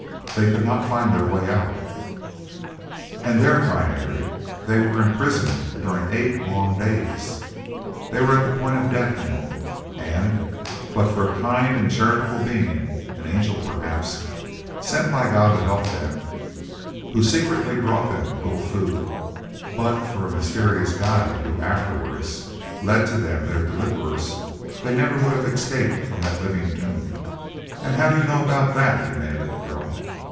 "They could not find their way out." "And there," cried Harry, "they were imprisoned during eight long days! They were at the point of death, Nell; and, but for a kind and charitable being—an angel perhaps—sent by God to help them, who secretly brought them a little food; but for a mysterious guide, who afterwards led to them their deliverers, they never would have escaped from that living tomb!" "And how do you know about that?" demanded the girl.